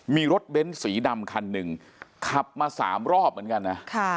มีรถเบ้นสีดำคันหนึ่งขับมา๓รอบเหมือนกันนะ